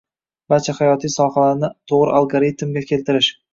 barcha hayotiy sohalarni to‘g‘ri algoritmga keltirish